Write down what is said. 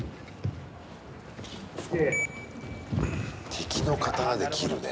敵の刀で斬るね。